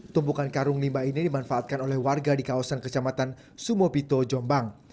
tumpukan karung limbah ini dimanfaatkan oleh warga di kawasan kecamatan sumopito jombang